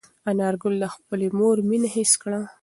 انارګل د خپلې مور مینه حس کړه.